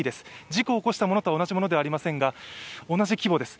事故を起こしたものと同じものではありませんが同じ規模です。